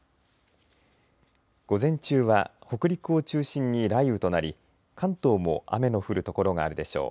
午前中は北陸を中心に雷雨となり関東も雨の降る所があるでしょう。